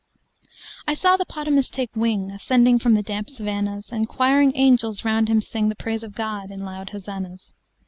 I saw the 'potamus take wingAscending from the damp savannas, And quiring angels round him singThe praise of God, in loud hosannas.